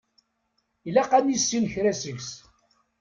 Ilaq ad nissin kra seg-s.